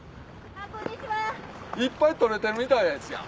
いっぱいとれてるみたいですやん。